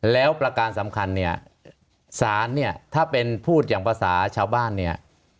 แล้วประการสำคัญเนี่ยสารเนี่ยถ้าเป็นพูดอย่างภาษาชาวบ้านเนี่ย